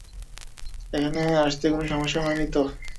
এখানে আসতে কোনো সমস্যা হয়নি তো?